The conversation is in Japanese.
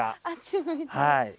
はい。